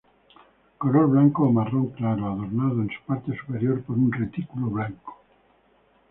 Color blanco o marrón claro, adornado en su parte superior por un retículo blanco.